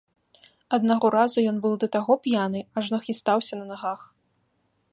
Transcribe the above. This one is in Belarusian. Аднаго разу ён быў да таго п'яны, ажно хістаўся на нагах.